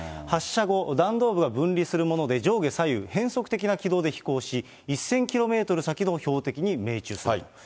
発射後、弾道部が分離するもので、上下左右、変則的な軌道で飛行し、１０００キロメートル先の標的に命中する。